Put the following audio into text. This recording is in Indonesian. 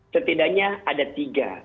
setidaknya ada tiga